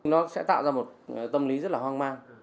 nó sẽ tạo ra một tâm lý rất là hoang mang